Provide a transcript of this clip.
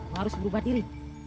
lu harus berubah diri